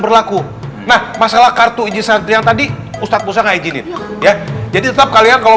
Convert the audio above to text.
berlaku nah masalah kartu izin santri yang tadi ustadz pusat nggak izinin ya jadi tetap kalian kalau